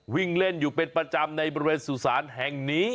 วิ่งเล่นอยู่เป็นประจำในบริเวณสุสานแห่งนี้